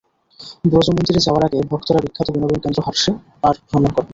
ব্রজ মন্দিরে যাওয়ার আগে ভক্তরা বিখ্যাত বিনোদন কেন্দ্র হারশে পার্ক ভ্রমণ করেন।